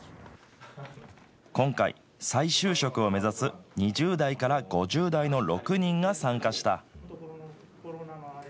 今回、再就職を目指す２０代から５０代の６人が参加した。